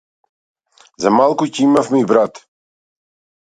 За малку ќе имавме и брат.